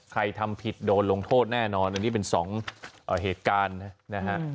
ทำผิดโดนลงโทษแน่นอนอันนี้เป็น๒เหตุการณ์นะฮะ